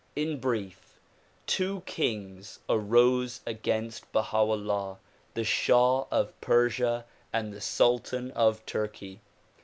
In brief, two kings arose against Baha 'Ullah, — the shah of Persia and the sultan of Turkey.